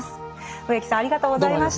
植木さんありがとうございました。